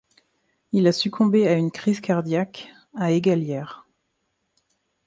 Il a succombé à une crise cardiaque à Eygalières.